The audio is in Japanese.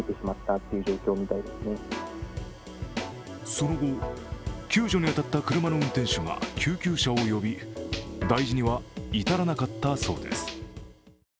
その後、救助に当たった車の運転手が救急車を呼び大事には至らなかったそうです。